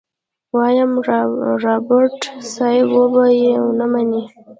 ويم رابرټ صيب وبه يې نه منې.